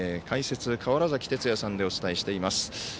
解説、川原崎哲也さんでお伝えしています。